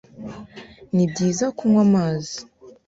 Ni byiza kunywa amazi